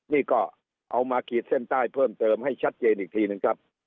นี่ก็เอามาขีดเส้นใต้เพิ่มเติมให้ชัดเจนอีกทีหนึ่งครับ